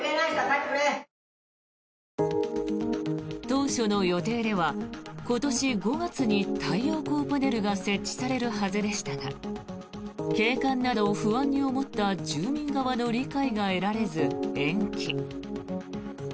当初の予定では今年５月に太陽光パネルが設置されるはずでしたが景観などを不安に思った住民側の理解が得られず延期。